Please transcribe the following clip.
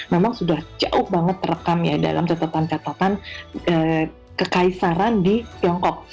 memang sudah jauh banget terekam ya dalam catatan catatan kekaisaran di tiongkok